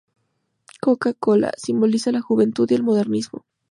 Coca-Cola: Simboliza la juventud y el modernismo.